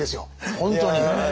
本当に。